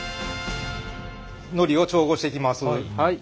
のりを調合していきます。